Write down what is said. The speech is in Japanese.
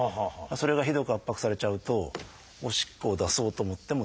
それがひどく圧迫されちゃうとおしっこを出そうと思っても出ない。